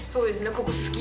ここ好き。